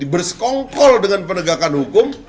bersekongkol dengan penegakan hukum